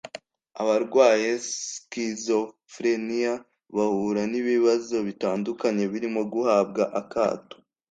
Abarwaye schizophrenia bahura n’ibibazo bitandukanye birimo guhabwa akato